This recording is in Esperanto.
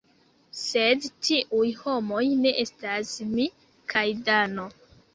Sed tiuj homoj ne estas mi kaj Dano.